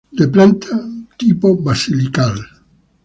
De planta tipo basilical.